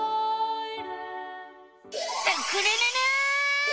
スクるるる！